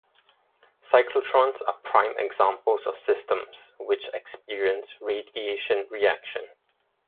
Cyclotrons are prime examples of systems which experience radiation reaction.